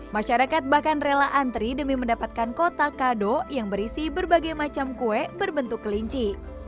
masyarakat bahkan rela antri demi mendapatkan kotak kado yang berisi berbagai macam kue berbentuk kelinci